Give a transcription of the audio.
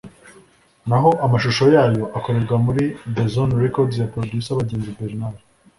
naho amashusho yayo akorerwa muri The Zone Record ya Producer Bagenzi Bernard